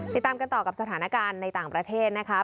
ติดตามกันต่อกับสถานการณ์ในต่างประเทศนะคะ